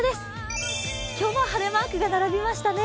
今日は晴れマークが並びましたね。